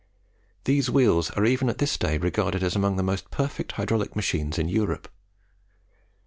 These wheels are even at this day regarded as among the most perfect hydraulic machines in Europe.